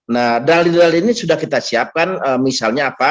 nah dari dari ini sudah kita siapkan misalnya apa